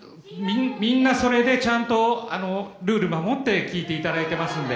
みんな、それでちゃんとルールを守って聞いていただいていますので。